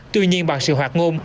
tuy nhiên bằng sự hoạt ngôn